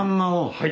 はい。